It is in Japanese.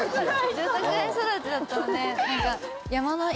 住宅街育ちだったので。